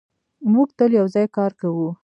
موږ تل یو ځای کار کوو.